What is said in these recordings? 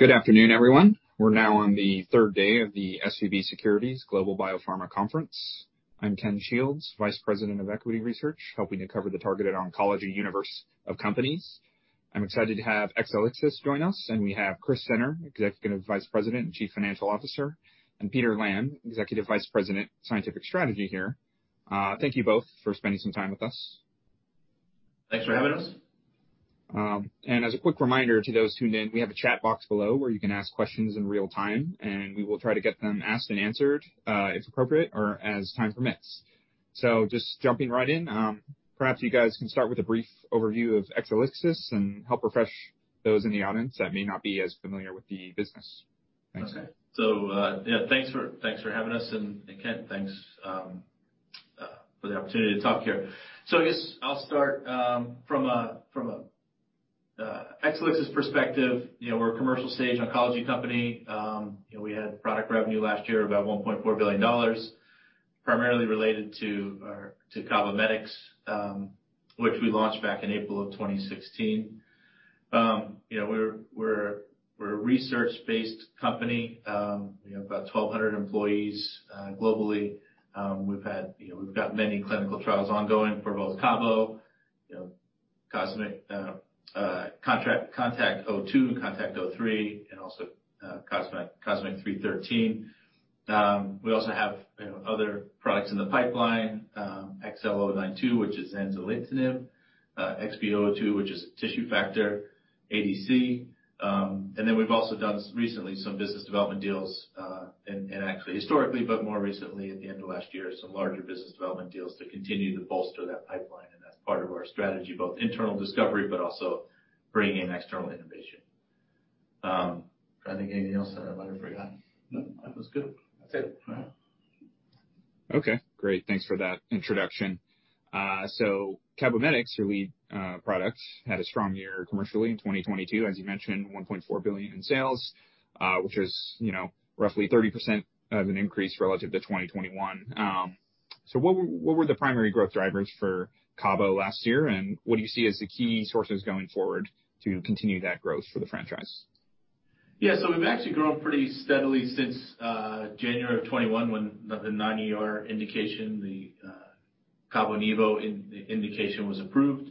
Good afternoon, everyone. We're now on the third day of the SVB Securities Global Biopharma Conference. I'm Ken Shields, Vice President of Equity Research helping to cover the targeted oncology universe of companies. I'm excited to have Exelixis join us, and we have Chris Senner, Executive Vice President and Chief Financial Officer, and Peter Lamb, Executive Vice President of Scientific Strategy here. Thank you both for spending some time with us. Thanks for having us. As a quick reminder to those tuned in, we have a chat box below where you can ask questions in real time, and we will try to get them asked and answered, if appropriate or as time permits so just jumping right in, perhaps you guys can start with a brief overview of Exelixis and help refresh those in the audience that may not be as familiar with the business. Thanks. Okay. Yeah, thanks for having us and, Ken, thanks for the opportunity to talk here. I'll start from a Exelixis perspective. You know, we're a commercial stage oncology company. You know, we had product revenue last year about $1.4 billion, primarily related to Cabometyx, which we launched back in April of 2016. You know, we're a research-based company. We have about 1,200 employees globally. You know, we've got many clinical trials ongoing for both Cabo, you know, contact, CONTACT-02, CONTACT-03, and also, cosmic, COSMIC-313. We also have, you know, other products in the pipeline, XL092, which is Zanzalintinib, XB002, which is tissue factor ADC. We've also done recently some business development deals, and actually historically, but more recently at the end of last year, some larger business development deals to continue to bolster that pipeline. That's part of our strategy, both internal discovery, but also bringing external innovation, trying to think of anything else that I might have forgot. No, that was good. That's it. All right. Okay, great. Thanks for that introduction. Cabometyx, your lead product, had a strong year commercially in 2022. As you mentioned, $1.4 billion in sales, which is, you know, roughly 30% of an increase relative to 2021. What were the primary growth drivers for Cabo last year, and what do you see as the key sources going forward to continue that growth for the franchise? Yeah. We've actually grown pretty steadily since January of 2021 when the aRCC indication, the CaboNivo indication was approved.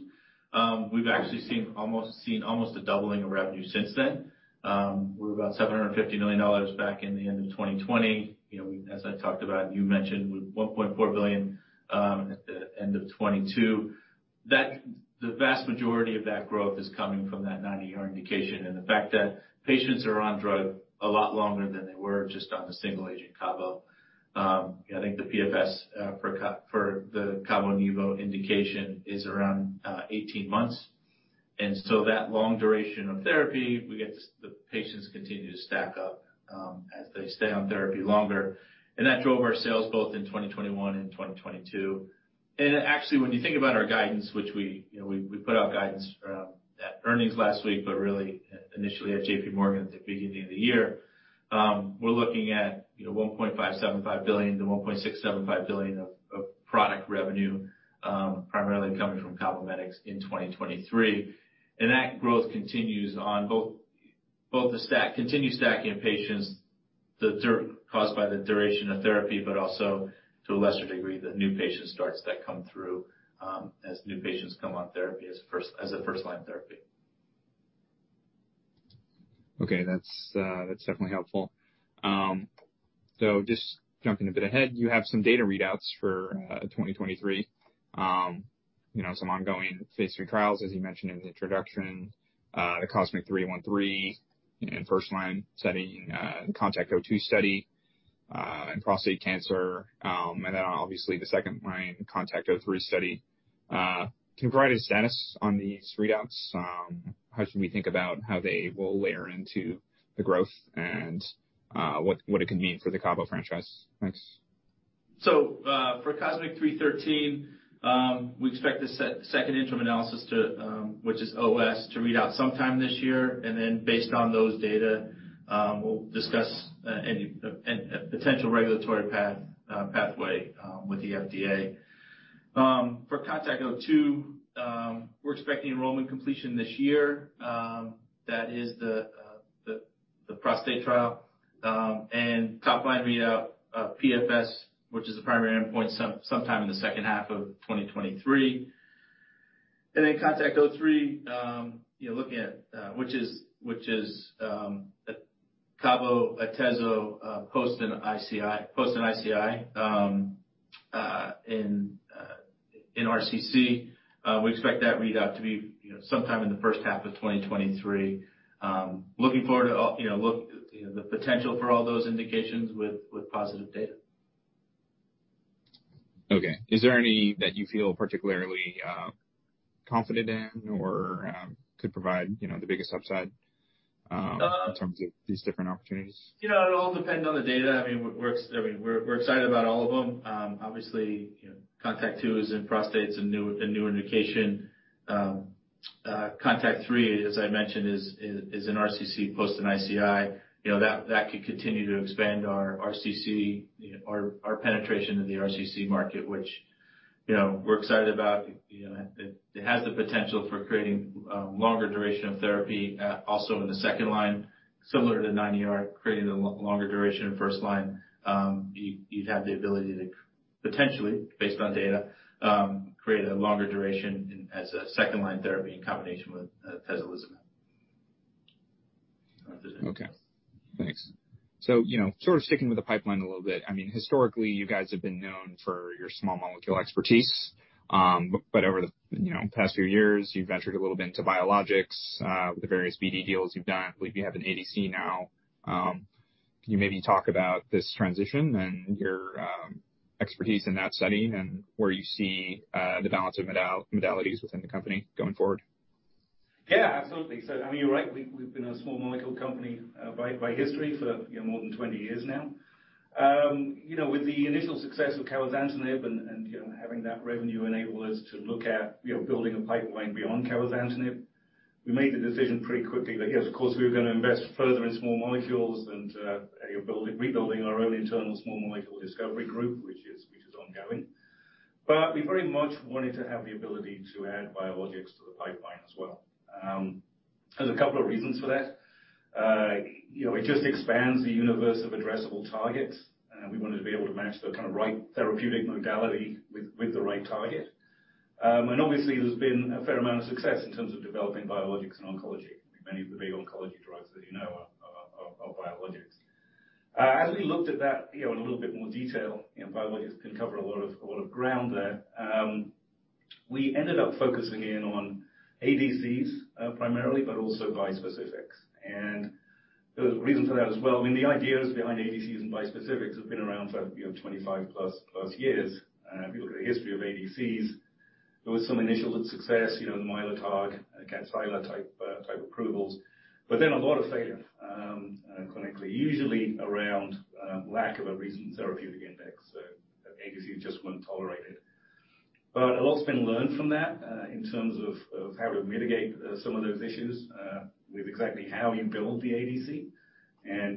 We've actually seen almost a doubling of revenue since then. We're about $750 million back in the end of 2020. You know, as I talked about, you mentioned $1.4 billion at the end of 2022. The vast majority of that growth is coming from that aRCC indication and the fact that patients are on drug a lot longer than they were just on the single agent Cabo. I think the PFS for the CaboNivo indication is around 18 months. That long duration of therapy, we get the patients continue to stack up as they stay on therapy longer. That drove our sales both in 2021 and 2022. Actually, when you think about our guidance, which we put out guidance at earnings last week, but really initially at J.P. Morgan at the beginning of the year, we're looking at $1.575 billion to $1.675 billion of product revenue, primarily coming from Cabometyx in 2023. That growth continues on both continue stacking patients, caused by the duration of therapy, but also to a lesser degree, that new patient starts that come through as new patients come on therapy as a first-line therapy. Okay. That's definitely helpful so just jumping a bit ahead, you have some data readouts for 2023. You know, some ongoing phase III trials, as you mentioned in the introduction, the COSMIC-313 in first-line setting, CONTACT-02 study in prostate cancer, and then obviously the second-line CONTACT-03 study. Can you provide a status on these readouts? How should we think about how they will layer into the growth and what it could mean for the Cabo franchise? Thanks. For COSMIC-313, we expect the second interim analysis to, which is OS, to read out sometime this year. Based on those data, we'll discuss any potential regulatory pathway with the FDA. For CONTACT-02, we're expecting enrollment completion this year. That is the prostate trial and top-line readout of PFS, which is the primary endpoint sometime in the second half of 2023. CONTACT-03, you're looking at, which is, cabo/Atezo, post an ICI, in RCC. We expect that readout to be, you know, sometime in the first half of 2023. Looking forward to all, you know, the potential for all those indications with positive data. Okay. Is there any that you feel particularly confident in or could provide, you know, the biggest upside in terms of these different opportunities? You know, it'll all depend on the data. I mean, we're excited about all of them. Obviously, you know, CONTACT-02 is in prostate. It's a new indication. CONTACT-03, as I mentioned is in RCC post an ICI. You know, that could continue to expand our RCC, you know, our penetration in the RCC market, which, you know, we're excited about. It has the potential for creating longer duration of therapy, also in the second line, similar to 9ER, creating a longer duration in first line. You'd have the ability to potentially, based on data, create a longer duration as a second line therapy in combination with Tislelizumab. Okay, thanks. You know, sort of sticking with the pipeline a little bit. I mean, historically, you guys have been known for your small molecule expertise. But over the, you know, past few years, you've ventured a little bit into biologics, with the various BD deals you've done. I believe you have an ADC now. Can you maybe talk about this transition and your expertise in that setting and where you see the balance of modalities within the company going forward? Yeah, absolutely. I mean, you're right, we've been a small molecule company by history for, you know, more than 20 years now. You know, with the initial success of Cabozantinib and, you know, having that revenue enable us to look at, you know, building a pipeline beyond Cabozantinib, we made the decision pretty quickly that, yes, of course, we were going to invest further in small molecules and rebuilding our own internal small molecule discovery group, which is ongoing. We very much wanted to have the ability to add biologics to the pipeline as well. There's a couple of reasons for that. You know, it just expands the universe of addressable targets, and we wanted to be able to match the kind of right therapeutic modality with the right target. Obviously, there's been a fair amount of success in terms of developing biologics and oncology. Many of the big oncology drugs that you know are biologics. As we looked at that, you know, in a little bit more detail, you know, biologics can cover a lot of ground there. We ended up focusing in on ADCs, primarily, but also bispecifics. There's a reason for that as well. I mean, the ideas behind ADCs and bispecifics have been around for, you know, 25 plus years. If you look at the history of ADCs, there was some initial success, you know, Mylotarg against Sila type approvals, but then a lot of failure, clinically, usually around lack of a recent therapeutic index. ADC just weren't tolerated. A lot has been learned from that, in terms of how to mitigate some of those issues, with exactly how you build the ADC.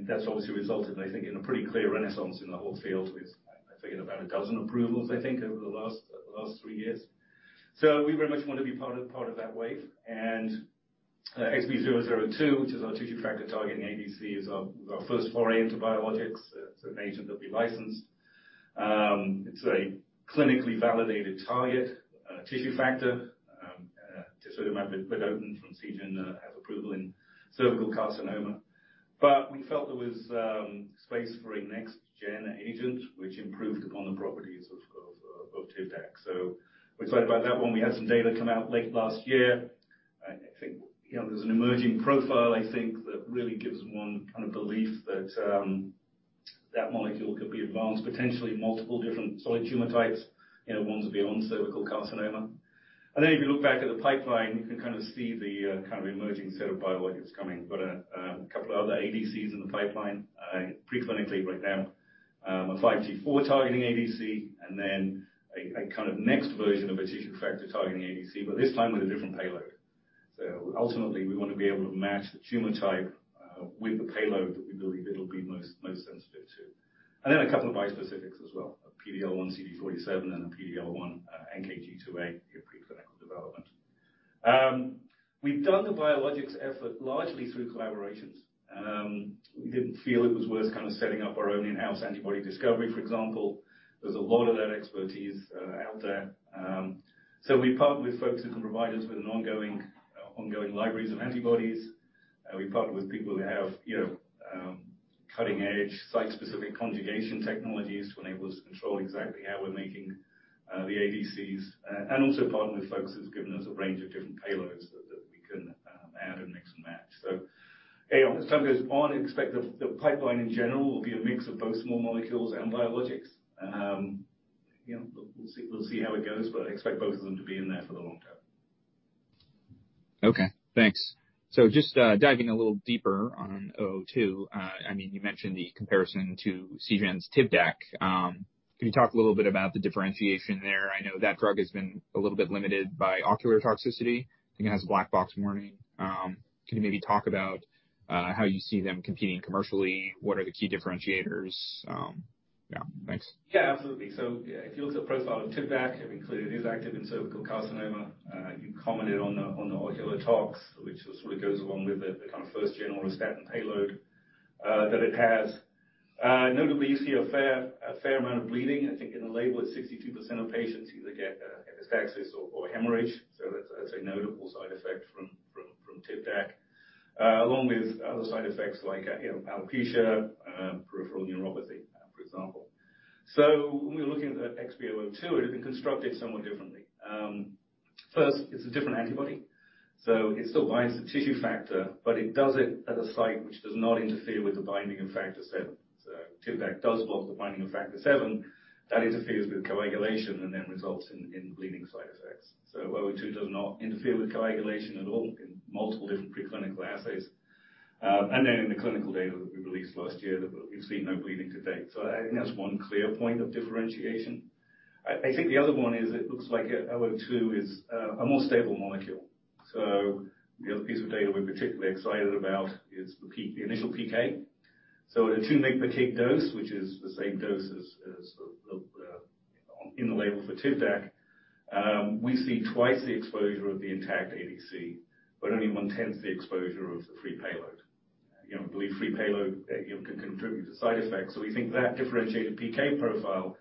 That's obviously resulted, I think, in a pretty clear renaissance in the whole field, with I figure, about dozen approvals, I think, over the last three years. We very much want to be part of that wave. XB002, which is our tissue factor targeting ADCs, our first foray into biologics. It's an agent that we licensed. It's a clinically validated target, tissue factor, just sort of map it with open from Seagen, has approval in cervical carcinoma. We felt there was space for a next gen agent which improved upon the properties of TIVDAK. We're excited about that one. We had some data come out late last year. I think, you know, there's an emerging profile, I think, that really gives one kind of belief that molecule could be advanced potentially in multiple different solid tumor types, you know, ones beyond cervical carcinoma. If you look back at the pipeline, you can kind of see the kind of emerging set of biologics coming. We've got a couple of other ADCs in the pipeline preclinically right now, a 5T4 targeting ADC and then a kind of next version of a tissue factor-targeting ADC, but this time with a different payload. Ultimately, we want to be able to match the tumor type with the payload that we believe it'll be most sensitive to, and a couple of bispecifics as well, PD-L1 CD47 and a PD-L1 NKG2A in pre-clinical development. We've done the biologics effort largely through collaborations. We didn't feel it was worth kind of setting up our own in-house antibody discovery, for example. There's a lot of that expertise out there. We partnered with folks who can provide us with an ongoing libraries of antibodies. We partnered with people who have, you know, cutting-edge site-specific conjugation technologies to enable us to control exactly how we're making the ADCs. And also partnered with folks who's given us a range of different payloads that we can add and mix and match. As time goes on, expect the pipeline, in general, will be a mix of both small molecules and biologics. We'll see how it goes, but I expect both of them to be in there for the long term. Okay, thanks so just diving a little deeper on XB002. I mean, you mentioned the comparison to Seagen's TIVDAK. Can you talk a little bit about the differentiation there? I know that drug has been a little bit limited by ocular toxicity. I think it has a black box warning. Can you maybe talk about how you see them competing commercially? What are the key differentiators? Yeah. Thanks. Yeah, absolutely. If you look at the profile of TIVDAK, I mean, clearly it is active in cervical carcinoma. You commented on the ocular tox, which sort of goes along with the kind of first gen auristatin payload that it has. Notably, you see a fair amount of bleeding. I think in the label, it's 62% of patients either get epistaxis or hemorrhage. That's a notable side effect from TIVDAK. Along with other side effects like, you know, alopecia, peripheral neuropathy, for example. When we're looking at XB002, it had been constructed somewhat differently. First, it's a different antibody, so it still binds the tissue factor, but it does it at a site which does not interfere with the binding of Factor VII. TIVDAK does block the binding of Factor VII. That interferes with coagulation and then results in bleeding side effects. While, 02 does not interfere with coagulation at all in multiple different preclinical assays. In the clinical data that we released last year, we've seen no bleeding to date. I think that's one clear point of differentiation. I think the other one is it looks like LO2 is a more stable molecule. The other piece of data we're particularly excited about is the initial PK. At a 2 mg per kg dose, which is the same dose as in the label for TIVDAK, we see twice the exposure of the intact ADC, but only 1/10 the exposure of the free payload. You know, I believe free payload, you know, can contribute to side effects. We think that differentiated PK profile,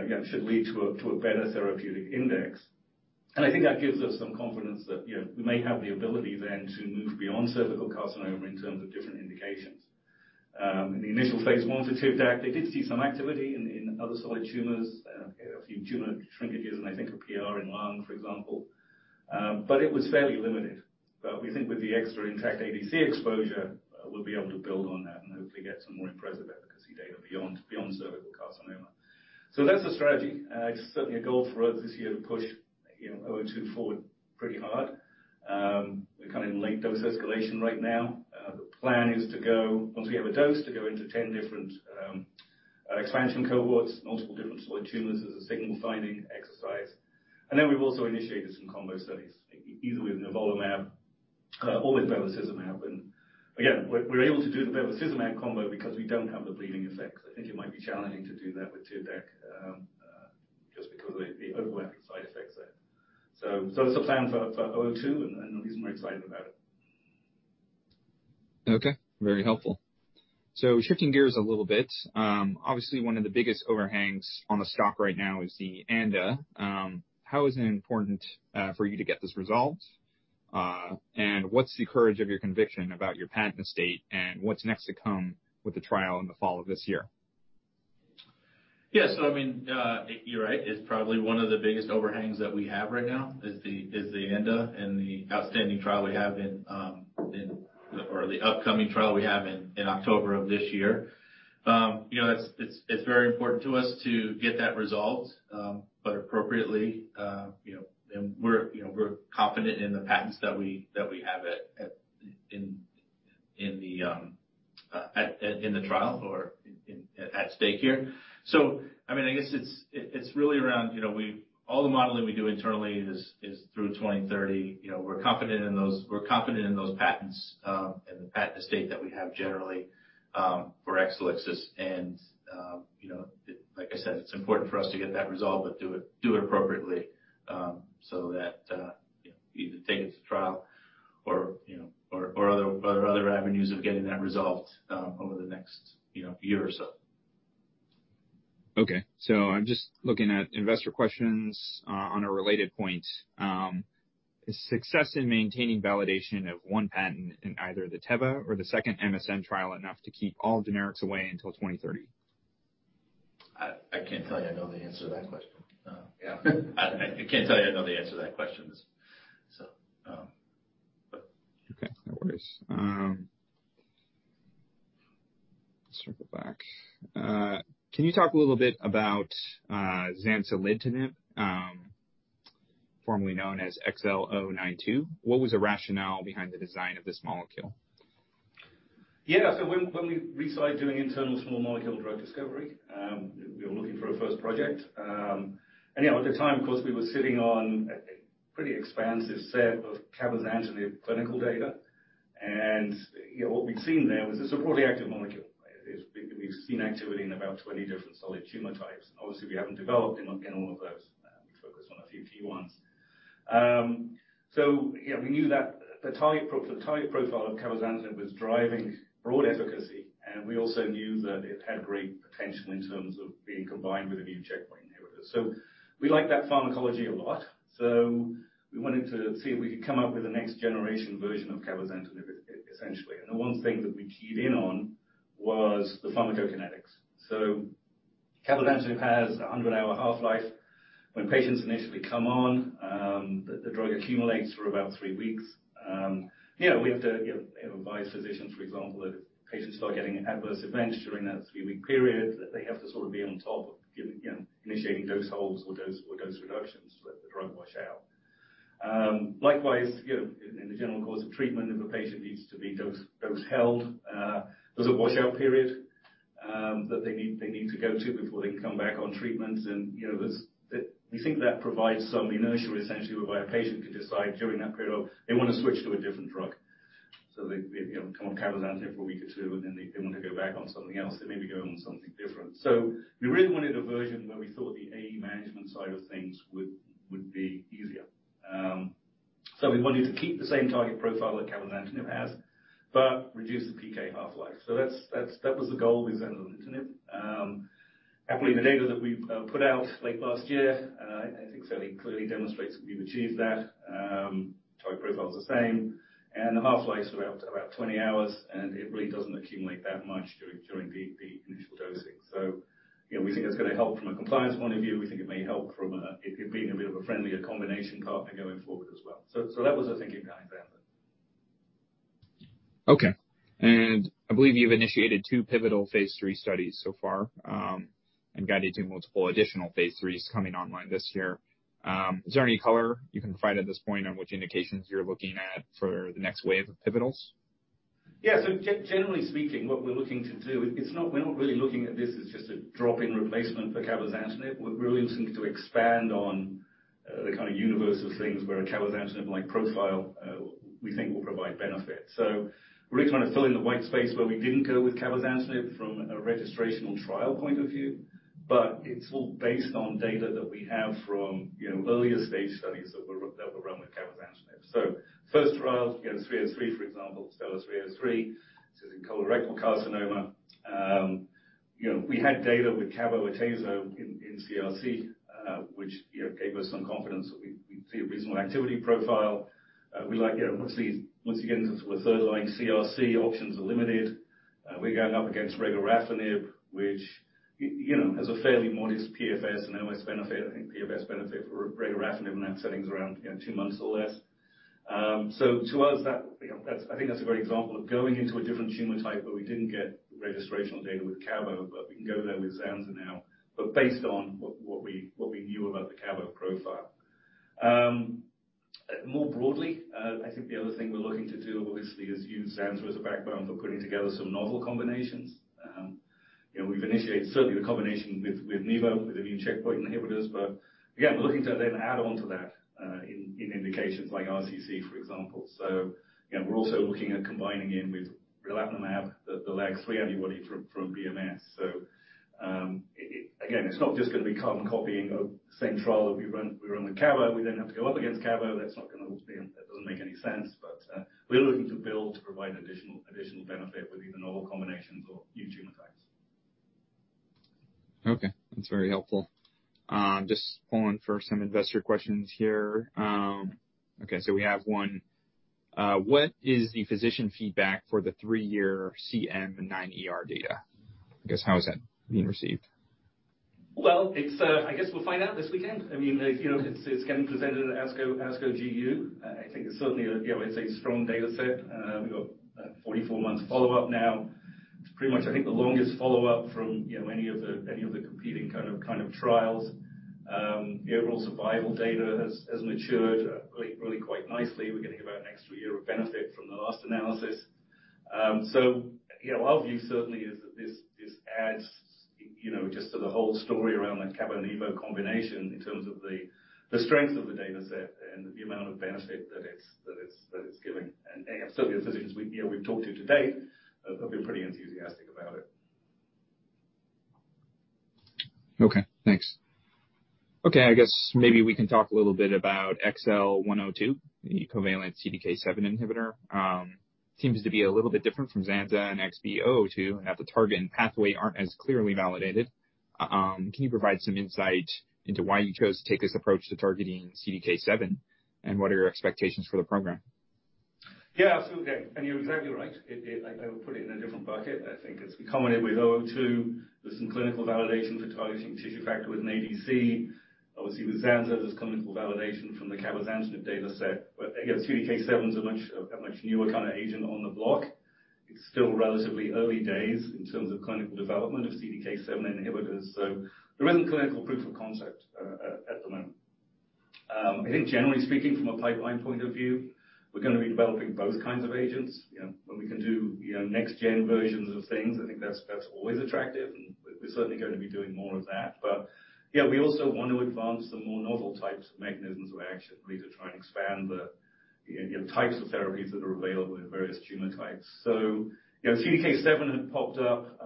you know, should lead to a better therapeutic index. I think that gives us some confidence that, you know, we may have the ability then to move beyond cervical carcinoma in terms of different indications. In the initial phase I for TIVDAK, they did see some activity in other solid tumors, a few tumor shrinkages and I think a PR in lung, for example. It was fairly limited. We think with the extra intact ADC exposure, we'll be able to build on that and hopefully get some more impressive efficacy data beyond cervical carcinoma. That's the strategy. It's certainly a goal for us this year to push, you know, XB002 forward pretty hard. We're kind of in late dose escalation right now. The plan is to go once we have a dose, to go into 10 different expansion cohorts, multiple different solid tumors as a signal finding exercise. We've also initiated some combo studies with Nivolumab or with Bevacizumab. Again, we're able to do the Bevacizumab combo because we don't have the bleeding effects. I think it might be challenging to do that with TIVDAK just because of the overlapping side effects there. That's the plan for XB002, and the reason we're excited about it. Okay, very helpful. Shifting gears a little bit. Obviously one of the biggest overhangs on the stock right now is the ANDA. How is it important for you to get this resolved? What's the courage of your conviction about your patent estate and what's next to come with the trial in the fall of this year? Yeah. I mean, you're right. It's probably one of the biggest overhangs that we have right now is the ANDA and the upcoming trial we have in October of this year. It's very important to us to get that resolved, but appropriately, you know, and we're, you know, we're confident in the patents that we have at stake here. I mean, it's really around, you know, all the modeling we do internally is through 2030. We're confident in those patents and the patent estate that we have generally for Exelixis and, you know, it. Like I said, it's important for us to get that resolved but do it appropriately, so that, you know, either take it to trial or, you know, or other avenues of getting that resolved over the next, you know, year or so. I'm just looking at investor questions, on a related point. Is success in maintaining validation of one patent in either the Teva or the second MSN trial enough to keep all generics away until 2030? I can't tell you I know the answer to that question. Yeah. I can't tell you I know the answer to that question. Okay, no worries. Let's circle back. Can you talk a little bit about Zanzalintinib, formerly known as XL092? What was the rationale behind the design of this molecule? When we re-started doing internal small molecule drug discovery, we were looking for a first project. At the time, of course, we were sitting on a pretty expansive set of Cabozantinib clinical data. And, you know, what we'd seen there was it's a broadly active molecule. We've seen activity in about 20 different solid tumor types. Obviously, we haven't developed in all of those. We're focused on a few ones. We knew that the target profile of Cabozantinib was driving broad efficacy, and we also knew that it had great potential in terms of being combined with immune checkpoint inhibitors. We like that pharmacology a lot. We wanted to see if we could come up with a next generation version of Cabozantinib essentially. The one thing that we keyed in on was the pharmacokinetics. Cabozantinib has a 100-hour half-life. When patients initially come on, the drug accumulates for about three weeks. You know, we have to, you know, advise physicians, for example, that if patients start getting adverse events during that three-week period, that they have to sort of be on top of giving, you know, initiating dose holds or dose reductions to let the drug wash out. Likewise, you know, in the general course of treatment, if a patient needs to be dose held, there's a washout period that they need to go to before they can come back on treatments. We think that provides some inertia essentially whereby a patient can decide during that period of they want to switch to a different drug. They, you know, come on Cabozantinib for a week or two, and then they want to go back on something else. They may be going on something different. We really wanted a version where we thought the AE management side of things would be easier. We wanted to keep the same target profile that Cabozantinib has but reduce the PK half-life. That was the goal with Zanzalintinib. Happily, the data that we put out late last year, I think fairly clearly demonstrates that we've achieved that. Target profile's the same and the half-life's around about 20 hours, and it really doesn't accumulate that much during the initial dosing. You know, we think that's going to help from a compliance point of view. We think it could be a bit of a friendlier combination partner going forward as well. That was the thinking behind that one. Okay. I believe you've initiated two pivotal phase III studies so far, and guided to multiple additional phase IIIs coming online this year. Is there any color you can provide at this point on which indications you're looking at for the next wave of pivotals? Yeah. Generally speaking, what we're looking to do, it's not we're not really looking at this as just a drop-in replacement for Cabozantinib. We're really looking to expand on the kind of universe of things where a Cabozantinib-like profile, we think will provide benefit. We're really trying to fill in the white space where we didn't go with Cabozantinib from a registrational trial point of view, but it's all based on data that we have from, you know, earlier stage studies that were run with Cabozantinib. First trial, you know, 303, for example, STELLAR-303, this is in colorectal carcinoma. We had data with cabo/Atezo in CRC, which, you know, gave us some confidence that we see a reasonable activity profile. We like, you know, obviously once you get into sort of third line CRC, options are limited. We're going up against Regorafenib, which, you know, has a fairly modest PFS and OS benefit. I think PFS benefit for regorafenib in that setting's around, you know, two months or less. To us that, you know, I think that's a great example of going into a different tumor type where we didn't get registrational data with Cabo, but we can go there with Zanza now, but based on what we knew about the Cabo profile. More broadly, I think the other thing we're looking to do obviously is use Zanza as a background for putting together some novel combinations. You know, we've initiated certainly the combination with Nivo, with the new checkpoint inhibitors, but again, we're looking to then add onto that, in indications like RCC, for example. You know, we're also looking at combining in with Relatlimab, the LAG-3 antibody from BMS. Again, it's not just going to be carbon copying of the same trial that we run, we run with Cabo. We then have to go up against Cabo. That doesn't make any sense. We're looking to build to provide additional benefit with either novel combinations or new tumor types. That's very helpful. Just pulling for some investor questions here. We have one. What is the physician feedback for the three-year CM9 ER data? How is that being received? Well, we'll find out this weekend. I mean, you know, it's getting presented at ASCO GU. I think it's certainly a, you know, it's a strong dataset. We've got 44 months follow-up now. It's pretty much, I think, the longest follow-up from, you know, any of the, any of the competing kind of trials. The overall survival data has matured really quite nicely. We're getting about an extra year of benefit from the last analysis. Our view certainly is that this adds, you know, just to the whole story around the cabo/nivo combination in terms of the strength of the dataset and the amount of benefit that it's giving. Again, certainly the physicians we, you know, we've talked to to date have been pretty enthusiastic about it. Okay, thanks. Okay, maybe we can talk a little bit about XL102, the covalent CDK7 inhibitor. Seems to be a little bit different from Zanza and XB002, and that the target and pathway aren't as clearly validated. Can you provide some insight into why you chose to take this approach to targeting CDK7, and what are your expectations for the program? Yeah, absolutely. You're exactly right. It did. Like, I would put it in a different bucket. I think as we combine it with XB002, there's some clinical validation for targeting tissue factor with an ADC. Obviously with Zanza, there's clinical validation from the Cabozantinib dataset. Again, CDK7's a much newer kind of agent on the block. It's still relatively early days in terms of clinical development of CDK7 inhibitors, so there isn't clinical proof of concept at the moment. I think generally speaking from a pipeline point of view, we're going to be developing both kinds of agents. You know, when we can do, you know, next-gen versions of things, I think that's always attractive, and we're certainly going to be doing more of that. Yeah, we also want to advance the more novel types of mechanisms of action really to try and expand the, you know, types of therapies that are available in various tumor types. You know, CDK7 had popped up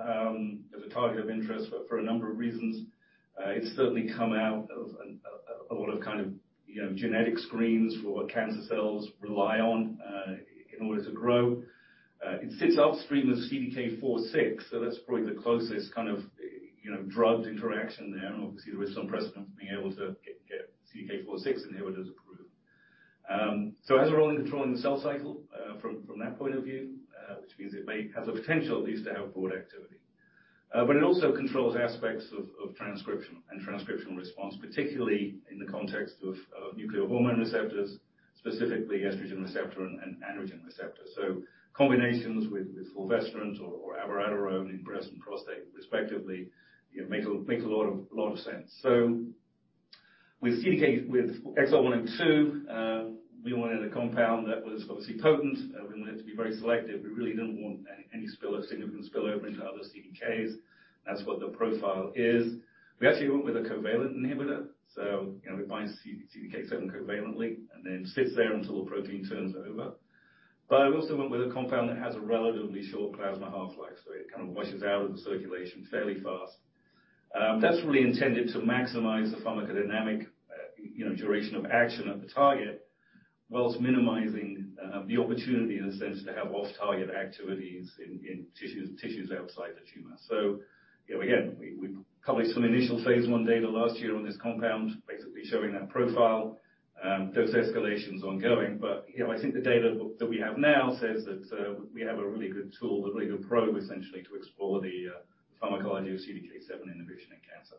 as a target of interest for a number of reasons. It's certainly come out of a lot of kind of, you know, genetic screens for what cancer cells rely on in order to grow. It sits upstream of CDK4/6, so that's probably the closest kind of, you know, drug interaction there. Obviously there is some precedent for being able to get CDK4/6 inhibitors approved. It has a role in controlling the cell cycle from that point of view, which means it may have the potential at least to have broad activity. It also controls aspects of transcription and transcriptional response, particularly in the context of nuclear hormone receptors, specifically estrogen receptor and androgen receptors. Combinations with Fulvestrant or Abiraterone in breast and prostate respectively, you know, make a lot of sense. With XL102, we wanted a compound that was obviously potent, we want it to be very selective. We really didn't want any significant spillover into other CDKs. That's what the profile is. We actually went with a covalent inhibitor, you know, it binds to CDK7 covalently and then sits there until the protein turns over. We also went with a compound that has a relatively short plasma half-life, it kind of washes out of the circulation fairly fast. That's really intended to maximize the pharmacodynamic, you know, duration of action at the target whilst minimizing the opportunity in a sense to have off-target activities in tissues outside the tumor. You know, again, we published some initial phase I data last year on this compound, basically showing that profile. Dose escalation's ongoing but, you know, I think the data that we have now says that we have a really good tool, a really good probe, essentially, to explore the pharmacology of CDK7 inhibition in cancer.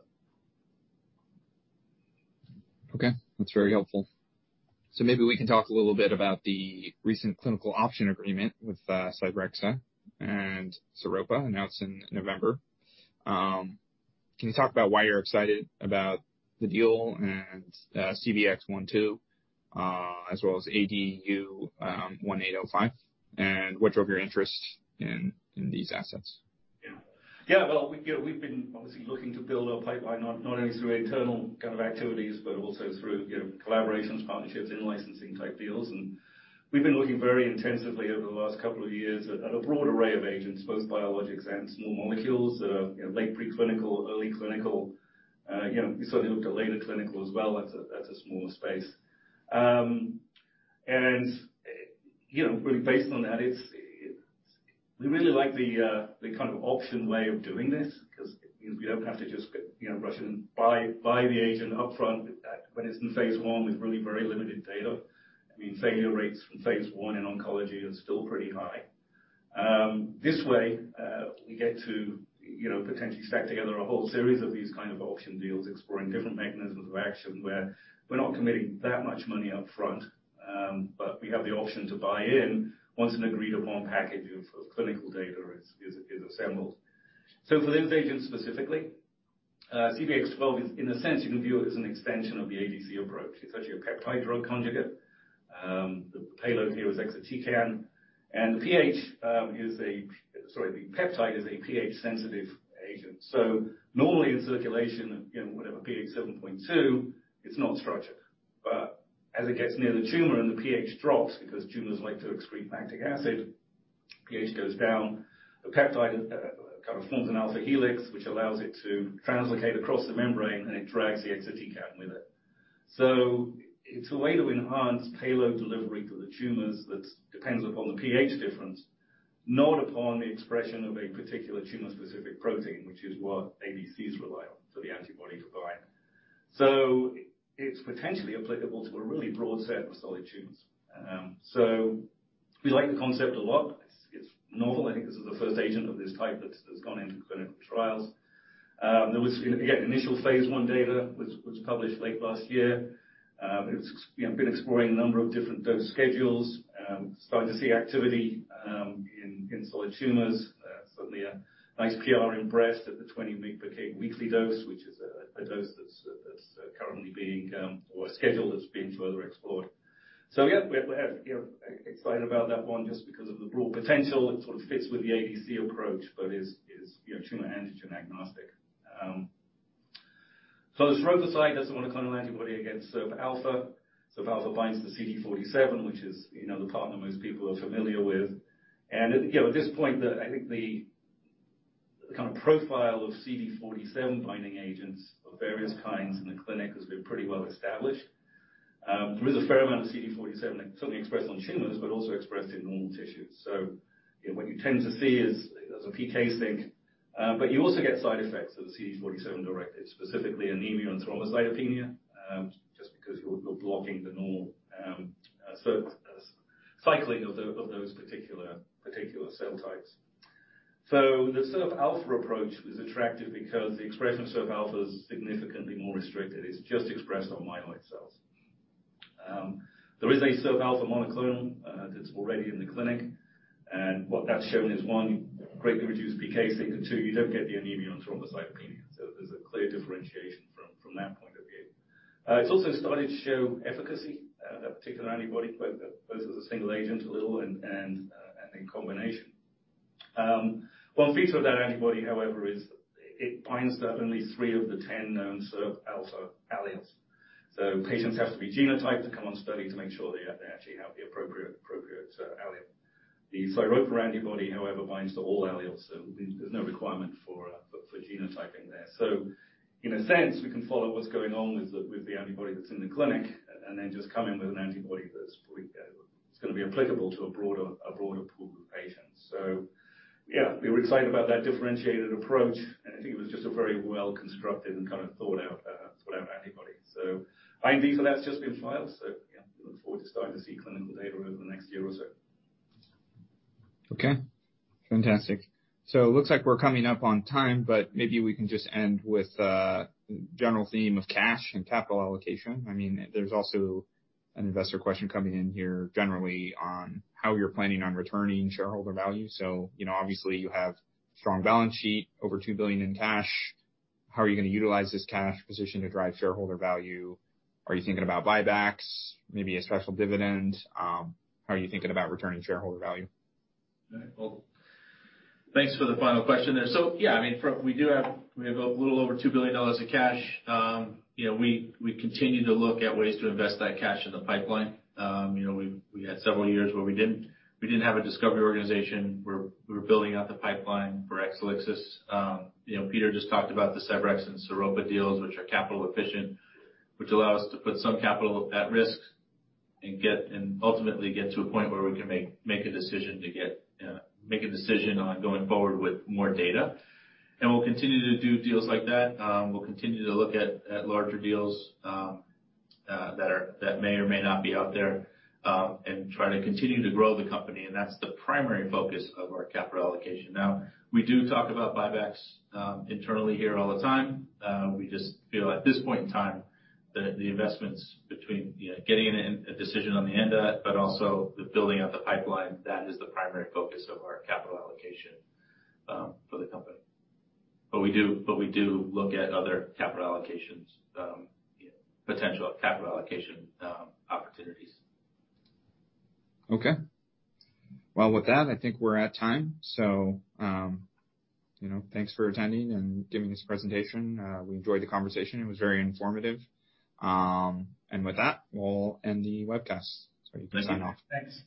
Okay. That's very helpful. Maybe we can talk a little bit about the recent clinical option agreement with Cybrexa and Sairopa announced in November. Can you talk about why you're excited about the deal and CBX-12 as well as ADU-1805? What drove your interest in these assets? Yeah. Well, we've been obviously looking to build our pipeline, not only through internal kind of activities, but also through, you know, collaborations, partnerships, in-licensing type deals. We've been looking very intensively over the last couple of years at a broad array of agents, both biologics and small molecules that are, you know, late preclinical, early clinical. You know, we certainly looked at later clinical as well. That's a smaller space. And, you know, really based on that, we really like the kind of option way of doing this 'cause it means we don't have to just, you know, rush in and buy the agent upfront with that when it's in phase I with really very limited data. I mean, failure rates from phase I in oncology are still pretty high. This way, we get to, you know, potentially stack together a whole series of these kind of option deals exploring different mechanisms of action where we're not committing that much money up front, but we have the option to buy in once an agreed upon package of clinical data is assembled. For those agents specifically, CBX-12 is in a sense you can view it as an extension of the ADC approach. It's actually a peptide drug conjugate. The payload here is Exatecan. The pH, the peptide is a pH-sensitive agent. Normally in circulation, you know, whatever pH 7.2, it's not structured. As it gets near the tumor and the pH drops because tumors like to excrete lactic acid, pH goes down. The peptide, kind of forms an alpha helix, which allows it to translocate across the membrane, and it drags the Exatecan with it. It's a way to enhance payload delivery to the tumors that depends upon the pH difference, not upon the expression of a particular tumor-specific protein, which is what ADCs rely on for the antibody to bind. It's potentially applicable to a really broad set of solid tumors. We like the concept a lot. It's novel. I think this is the first agent of this type that's gone into clinical trials. There was, you know, again, initial phase I data which published late last year. It's, you know, been exploring a number of different dose schedules, starting to see activity in solid tumors. Certainly a nice PR in breast at the 20 mg/kg weekly dose, which is a dose that's currently being or a schedule that's being further explored. Yeah, we're, you know, excited about that one just because of the broad potential. It sort of fits with the ADC approach, but is, you know, tumor antigen-agnostic. The Sairopa does a monoclonal antibody against SIRPα. SIRPα binds to CD47, which is, you know, the partner most people are familiar with. You know, at this point I think the kind of profile of CD47 binding agents of various kinds in the clinic has been pretty well established. There is a fair amount of CD47 certainly expressed on tumors, but also expressed in normal tissues. You know, what you tend to see is there's a PK sync, but you also get side effects of the CD47 directly, specifically anemia and thrombocytopenia, just because you're blocking the normal cycling of those particular cell types. The SIRPα approach is attractive because the expression of SIRPα is significantly more restricted. It's just expressed on myeloid cells. There is a SIRPα monoclonal that's already in the clinic, and what that's shown is, one, greatly reduced PK sync. Two, you don't get the anemia and thrombocytopenia. There's a clear differentiation from that point of view. It's also started to show efficacy, that particular antibody, whether as a single agent a little and in combination. One feature of that antibody, however, is it binds to only three of the 10 known SIRPα alleles. Patients have to be genotyped to come on study to make sure they actually have the appropriate allele. The Sairopa antibody, however, binds to all alleles, so there's no requirement for genotyping there. In a sense, we can follow what's going on with the antibody that's in the clinic and then just come in with an antibody that's probably, it's going to be applicable to a broader pool group of patients. Yeah, we're excited about that differentiated approach, and I think it was just a very well-constructed and kind of thought out antibody. IND for that's just been filed, so yeah, we look forward to starting to see clinical data over the next year or so. Okay, fantastic. Looks like we're coming up on time, but maybe we can just end with general theme of cash and capital allocation. I mean, there's also an investor question coming in here generally on how you're planning on returning shareholder value. Obviously you have strong balance sheet, over $2 billion in cash. How are you going to utilize this cash position to drive shareholder value? Are you thinking about buybacks? Maybe a special dividend? How are you thinking about returning shareholder value? Okay. Well, thanks for the final question there. yeah, I mean, we have a little over $2 billion of cash. you know, we continue to look at ways to invest that cash in the pipeline. you know, we had several years where we didn't have a discovery organization. We're building out the pipeline for Exelixis. you know, Peter just talked about the Cybrexa and Sairopa deals, which are capital efficient, which allow us to put some capital at risk and ultimately get to a point where we can make a decision to make a decision on going forward with more data. We'll continue to do deals like that. We'll continue to look at larger deals that are, that may or may not be out there, and try to continue to grow the company, and that's the primary focus of our capital allocation. We do talk about buybacks internally here all the time. We just feel at this point in time that the investments between, you know, getting a decision on the end of that but also the building out the pipeline, that is the primary focus of our capital allocation for the company. We do look at other capital allocations, potential capital allocation opportunities. Okay. Well, with that, I think we're at time. You know, thanks for attending and giving this presentation. We enjoyed the conversation. It was very informative. With that, we'll end the webcast, so you can sign off. Thanks.